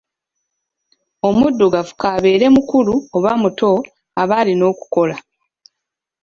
Omuddugavu kaabeere mukulu oba muto, ab'alina okukola.